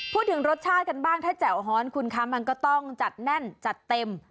พูดถึงรสชาติกันบ้างถ้าแจ่วฮ้อนคุณคะมันก็ต้องจัดแน่นจัดเต็ม